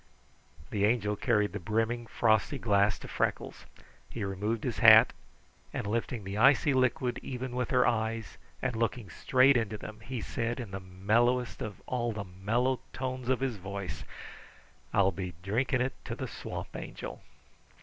The Angel carried the brimming, frosty glass to Freckles. He removed his hat, and lifting the icy liquid even with her eyes and looking straight into them, he said in the mellowest of all the mellow tones of his voice: "I'll be drinking it to the Swamp Angel."